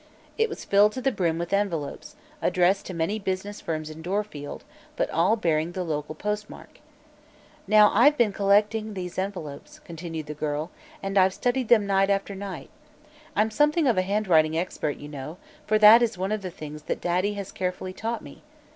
It was filled to the brim with envelopes, addressed to many business firms in Dorfield, but all bearing the local postmark. "Now, I've been days collecting these envelopes," continued the girl, "and I've studied them night after night. I'm something of a handwriting expert, you know, for that is one of the things that Daddy has carefully taught me.